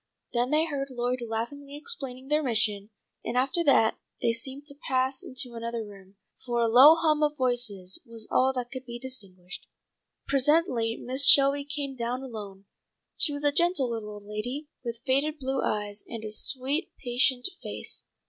Then they heard Lloyd laughingly explaining their mission, and after that they seemed to pass into another room, for a low hum of voices was all that could be distinguished. Presently Mrs. Shelby came down alone. She was a gentle little old lady, with faded blue eyes, and a sweet patient face.